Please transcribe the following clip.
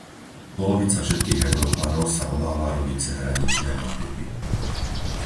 Polovica všetkých Európanov sa obáva robiť cezhraničné nákupy.